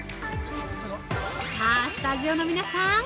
さあ、スタジオの皆さん！